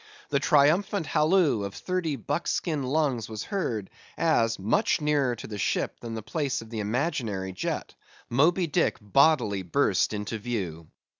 The triumphant halloo of thirty buckskin lungs was heard, as—much nearer to the ship than the place of the imaginary jet, less than a mile ahead—Moby Dick bodily burst into view!